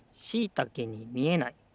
「しいたけにみえない」。